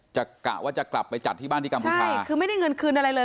กะว่าจะกลับไปจัดที่บ้านที่กัมพูชาใช่คือไม่ได้เงินคืนอะไรเลย